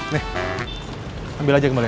nih ambil aja kembali